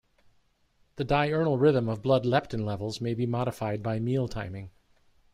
The diurnal rhythm of blood leptin levels may be modified by meal-timing.